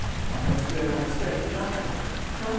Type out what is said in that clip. Why, that is where my strength lies! What!